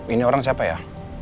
ini orang siapa ya